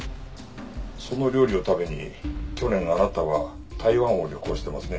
その料理を食べに去年あなたは台湾を旅行してますね。